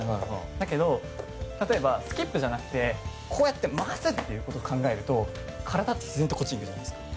だけど、例えばスキップじゃなくてこうやって回すことを考えると、体ってずっとこっちに行くじゃないですか。